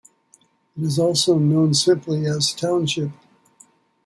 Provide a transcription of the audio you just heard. It is also known simply as "Township".